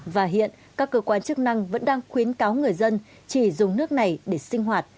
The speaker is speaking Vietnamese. và hiện các cơ quan chức năng vẫn đang khuyến cáo người dân chỉ dùng nước này để sinh hoạt